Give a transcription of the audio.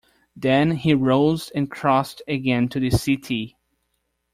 Then he rose and crossed again to the settee.